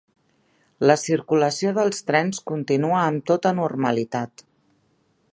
La circulació dels trens continua amb tota normalitat